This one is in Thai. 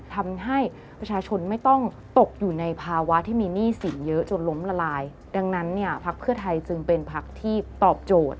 ไทยจึงเป็นภักดิ์ที่ตอบโจทย์